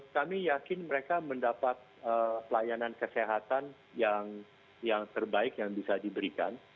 kami yakin mereka mendapat pelayanan kesehatan yang terbaik yang bisa diberikan